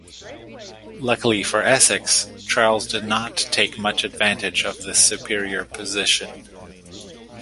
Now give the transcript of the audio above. Luckily for Essex, Charles did not take much advantage of this superior position.